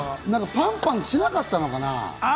パンパシしなかったのかな？